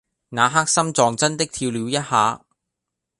那刻心臟真的跳了一下